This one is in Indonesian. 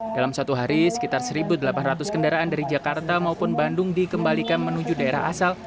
dalam satu hari sekitar satu delapan ratus kendaraan dari jakarta maupun bandung dikembalikan menuju daerah asal